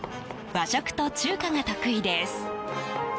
和食と中華が得意です。